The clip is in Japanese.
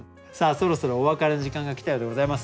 そろそろお別れの時間が来たようでございます。